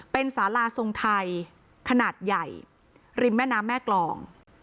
เป็นสาราทรงไทยขนาดใหญ่ริมแม่น้ำแม่กรอง